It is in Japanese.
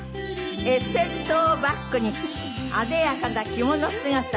エッフェル塔をバックにあでやかな着物姿。